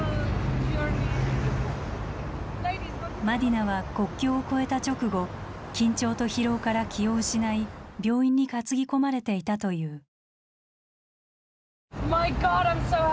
マディナは国境を越えた直後緊張と疲労から気を失い病院に担ぎ込まれていたという。